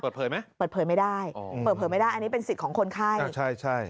เปิดเผยไหมเปิดเผยไม่ได้เปิดเผยไม่ได้อันนี้เป็นสิทธิ์ของคนไข้